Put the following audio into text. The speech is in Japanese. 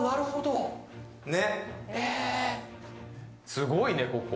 すごいね、ここ。